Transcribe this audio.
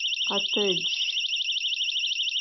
Къэтэдж!